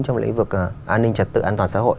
trong lĩnh vực an ninh trật tự an toàn xã hội